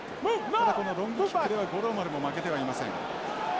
ただこのロングキックでは五郎丸も負けてはいません。